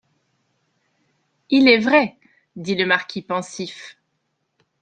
Il est vrai, dit le marquis pensif.